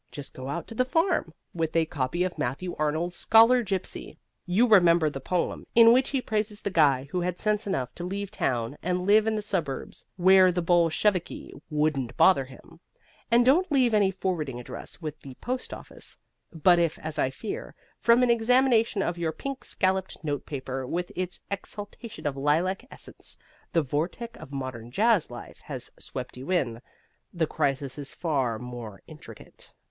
Just go out to the farm, with a copy of Matthew Arnold's "Scholar Gipsy" (you remember the poem, in which he praises the guy who had sense enough to leave town and live in the suburbs where the Bolsheviki wouldn't bother him), and don't leave any forwarding address with the postoffice. But if, as I fear from an examination of your pink scalloped notepaper with its exhalation of lilac essence, the vortex of modern jazz life has swept you in, the crisis is far more intricate.